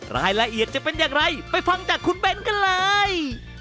รายละเอียดจะเป็นอย่างไรไปฟังจากคุณเบ้นกันเลย